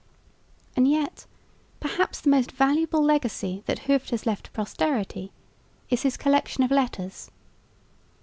And yet perhaps the most valuable legacy that Hooft has left to posterity is his collection of letters.